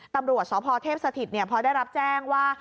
ตำรวจสพเทพสถิตพอได้รับแจ้งว่า